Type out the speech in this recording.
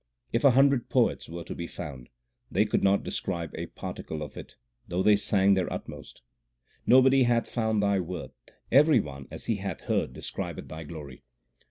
If a hundred poets were to be found, they could not describe a particle of it, though they sang their utmost. 3 Nobody hath found Thy worth ; every one as he hath heard describeth Thy glory.